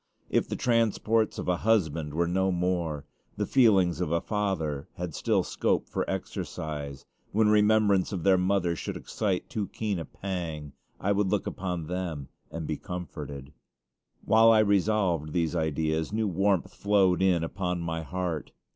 If the transports of a husband were no more, the feelings of a father had still scope for exercise. When remembrance of their mother should excite too keen a pang, I would look upon them and be comforted. While I revolved these ideas, new warmth flowed in upon my heart.